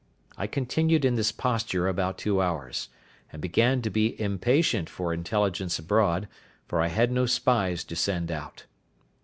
I continued in this posture about two hours, and began to be impatient for intelligence abroad, for I had no spies to send out.